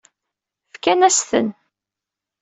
Fkan-as-ten.